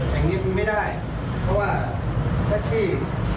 แบบนี้ไม่ได้เพราะว่าแท็กซี่